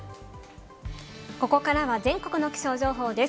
ここからは全国の気象情報です。